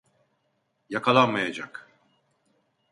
Yakalanmayacak.